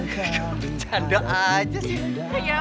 kau bercanda aja sih udah